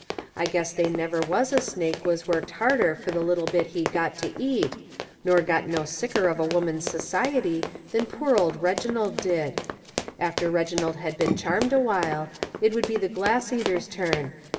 I guess they never was a snake was worked harder fur the little bit he got to eat, nor got no sicker of a woman's society than poor old Reginald did. After Reginald had been charmed a while, it would be the glass eater's turn.